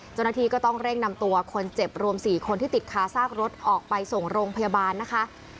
เจ้าหน้าที่ก็ต้องเร่งนำตัวคนเจ็บรวม๔คนที่ติดคาซากรถออกไปส่งโรงพยาบาลนะคะ